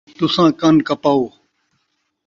تساں کن کپاؤ